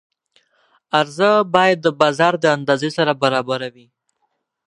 عرضه باید د بازار د اندازې سره برابره وي.